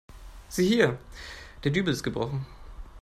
Sieh hier, der Dübel ist gebrochen.